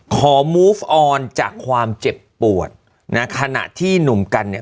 ขอมูฟออนจากความเจ็บปวดนะขณะที่หนุ่มกันเนี่ย